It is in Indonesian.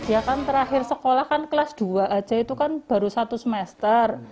ya kan terakhir sekolah kan kelas dua aja itu kan baru satu semester